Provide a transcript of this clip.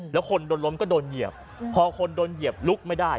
แล้วคนโดนล้มก็โดนเหยียบพอคนโดนเหยียบลุกไม่ได้